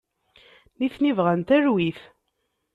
Nitni bɣan talwit.